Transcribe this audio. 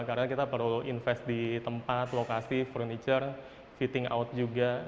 karena kita perlu invest di tempat lokasi furniture fitting out juga